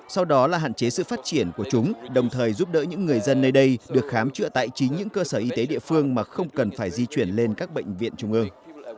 sau đó là hạn chế sự phát triển của chúng đồng thời giúp đỡ những người dân nơi đây được khám chữa tại chính những cơ sở y tế địa phương mà không cần phải di chuyển lên các bệnh viện trung ương